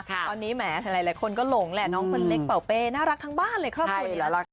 ตอนนี้แหมหลายคนก็หลงแหละน้องคนเล็กเป่าเป้น่ารักทั้งบ้านเลยครอบครัวนี้